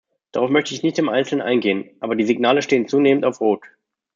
Darauf möchte ich nicht im Einzelnen eingehen, aber die Signale stehen zunehmend auf Rot.